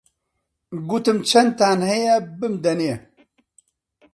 گوتم چەندتان هەیە بمدەنێ